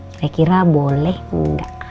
kira kira boleh gak